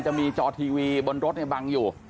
จะมีจอทีวีบนรถบังอยู่